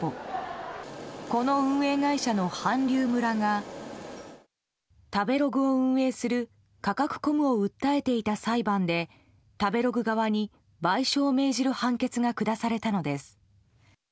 この運営会社の韓流村が食べログを運営するカカクコムを訴えていた裁判で食べログ側に賠償を命じる判決が下されたのです。